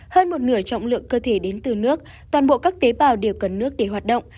hơn một nửa trọng lượng cơ thể đến từ nước toàn bộ các tế bào đều cần nước để hoạt động